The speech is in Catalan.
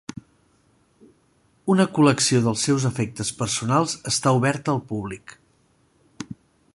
Una col·lecció dels seus efectes personals està oberta al públic.